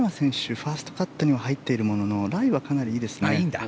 ファーストカットには入っているもののライはかなりいいですね。